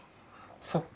そっか。